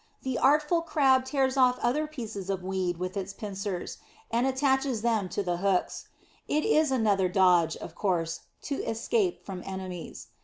The artful Crab tears off other pieces of weed with its pincers, and attaches them to the hooks. It is another dodge, of course, to escape from enemies.